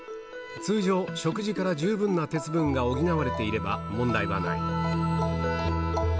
通常、食事から十分な鉄分が補われていれば問題はない。